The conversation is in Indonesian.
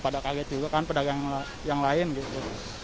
pada kaget juga kan pedagang yang lain gitu